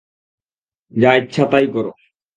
যা ইচ্ছা তাই করো!